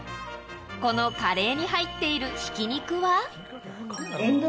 このカレーに入っているひき肉は。